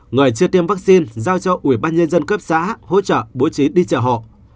người chưa tiêm vaccine giao cho ủy ban nhân dân cấp xã hỗ trợ bố trí đi chợ họ